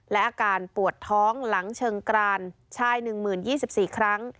และอาการปวดท้องหลังเชิงกรานชาย๑๐๒๔ครั้ง